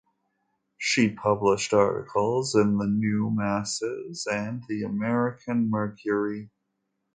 She published articles in the "New Masses" and "The American Mercury.